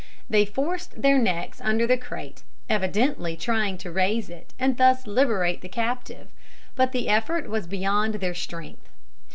They forced their necks under the crate, evidently trying to raise it, and thus liberate the captive; but the effort was beyond their strength.